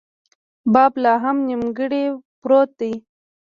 باب لا هم نیمګړۍ پروت دی.